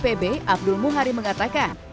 bnpb abdul muhari mengatakan